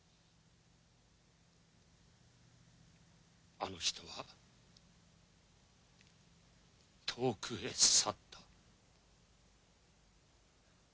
あの人は遠くへ去った。